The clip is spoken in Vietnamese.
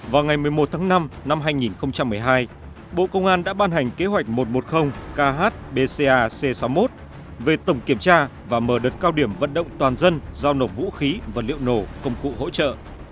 vào ngày một mươi một tháng năm năm hai nghìn một mươi hai bộ công an đã ban hành kế hoạch một trăm một mươi khbcac sáu mươi một về tổng kiểm tra và mở đợt cao điểm vận động toàn dân giao nộp vũ khí vật liệu nổ công cụ hỗ trợ